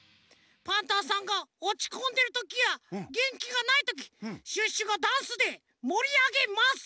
パンタンさんがおちこんでるときやげんきがないときシュッシュがダンスでもりあげます。